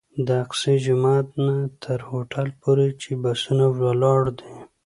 له اقصی جومات نه تر هوټل پورې چې بسونه ولاړ دي.